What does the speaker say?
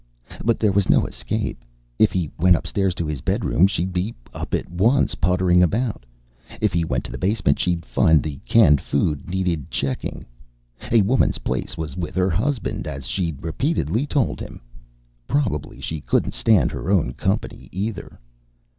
But there was no escape. If he went upstairs to his bedroom, she'd be up at once, puttering about. If he went to the basement, she'd find the canned food needed checking. A woman's place was with her husband, as she'd repeatedly told him. Probably she couldn't stand her own company, either.